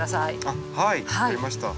あっはい分かりました。